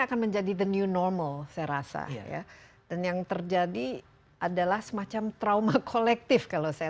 akan menjadi the new normal saya rasa ya dan yang terjadi adalah semacam trauma kolektif kalau saya